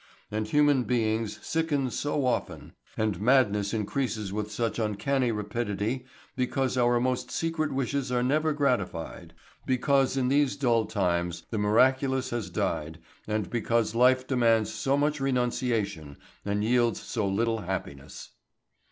And human beings sicken so often, and madness increases with such uncanny rapidity, because our most secret wishes are never gratified, because in these dull times the miraculous has died, and because life demands so much renunciation and yields so little happiness.